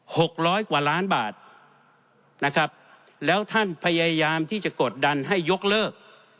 หกร้อยกว่าล้านบาทนะครับแล้วท่านพยายามที่จะกดดันให้ยกเลิก